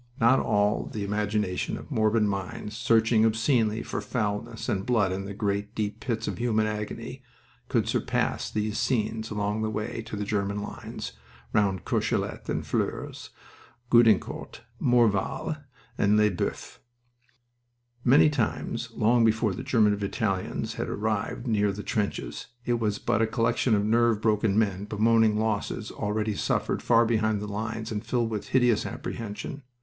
Not all the imagination of morbid minds searching obscenely for foulness and blood in the great, deep pits of human agony could surpass these scenes along the way to the German lines round Courcelette and Flers, Gueudecourt, Morval, and Lesboeufs. Many times, long before a German battalion had arrived near the trenches, it was but a collection of nerve broken men bemoaning losses already suffered far behind the lines and filled with hideous apprehension.